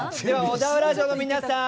小田原城の皆さん